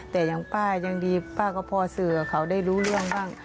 แต่อย่างป้ายังดีป้าก็พอสื่อกับเขาได้รู้เรื่องบ้าง